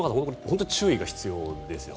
本当に注意が必要ですよね。